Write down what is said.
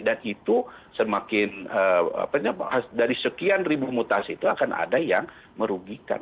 dan itu semakin dari sekian ribu mutasi itu akan ada yang merugikan